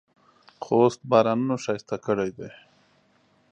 خوست بارانونو ښایسته کړی دی.